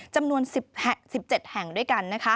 จำนวน๑๗แห่งด้วยกัน